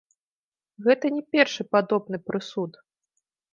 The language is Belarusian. Гэта не першы падобны прысуд.